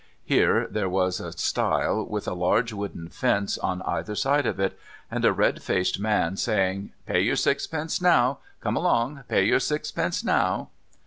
Here there was a stile with a large wooden fence on either side of it, and a red faced man saying: "Pay your sixpences now! Come along... pay your sixpences now."